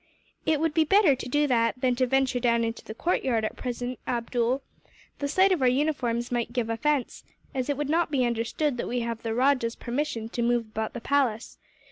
"It would be better to do that than to venture down into the courtyard, at present, Abdool. The sight of our uniforms might give offence, as it would not be understood that we have the rajah's permission to move about the palace.